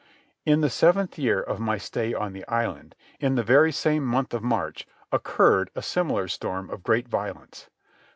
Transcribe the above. In the seventh year of my stay on the island, in the very same month of March, occurred a similar storm of great violence.